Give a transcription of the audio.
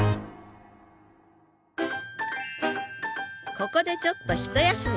ここでちょっと一休み！